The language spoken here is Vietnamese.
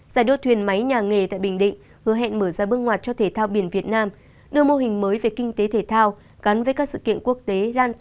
giải đốt thuyền máy nhà nghề tại bình định hứa hẹn mở ra